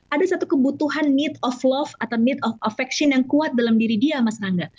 ada satu kebutuhan need of love atau need of affection yang kuat dalam diri dia mas hangga